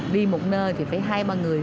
đi một nơi thì phải hai ba người